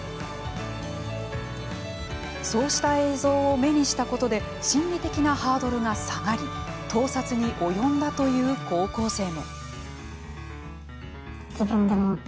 そうした映像を目にしたことで心理的なハードルが下がり盗撮に及んだという高校生も。